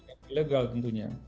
yang ilegal tentunya